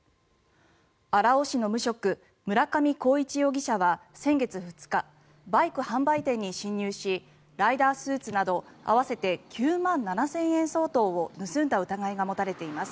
荒尾市の無職・村上浩一容疑者は先月２日バイク販売店に侵入しライダースーツなど合わせて９万７０００円相当を盗んだ疑いが持たれています。